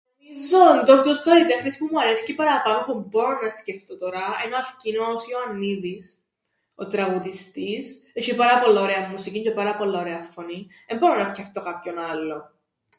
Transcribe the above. Νομίζω ο ντόπιος καλλιτέχνης που μου αρέσκει παραπάνω που μπόρω να σκεφτώ τωρά εν' ο Αλκίνοος Ιωαννίδης, ο τραγουδιστής, έσ̆ει πάρα πολλά ωραίαν μουσικήν τζ̆αι πάρα πολλά ωραίαν φωνήν, εν' μπορώ να σκεφτώ κάποιον άλλον.